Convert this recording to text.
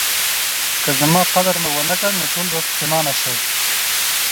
که زما قدر مو ونکړ نو ټول به پخیمانه شئ